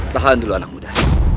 tahan dulu anak muda